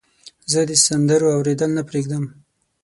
زه د سندرو اوریدل نه پرېږدم.